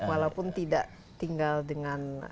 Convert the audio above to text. walaupun tidak tinggal dengan